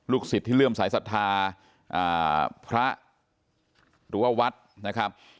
ลูกศิษย์ที่เริ่มสายศรัทธาพระหรือว่าวัดนะครับ